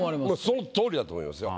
その通りだと思いますよ。